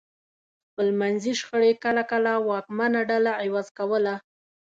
خپلمنځي شخړې کله کله واکمنه ډله عوض کوله